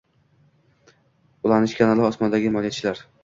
ulanish kanali ➡️ osmondagi_moliyachilar